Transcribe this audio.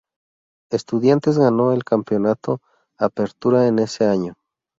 Estudiantes ganó el campeonato Apertura en ese año.